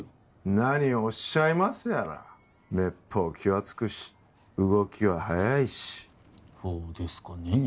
何をおっしゃいますやらめっぽう気はつくし動きは速いしほうですかねえ